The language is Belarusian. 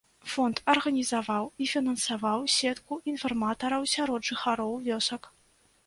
Фонд арганізаваў і фінансаваў сетку інфарматараў сярод жыхароў вёсак.